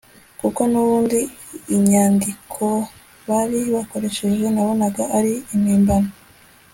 kuko nubundi inyandikobari bakoresheje nabonaga ari impimbano